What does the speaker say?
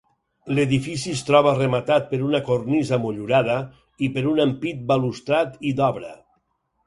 L'edifici es troba rematat per una cornisa motllurada i per un ampit balustrat i d'obra.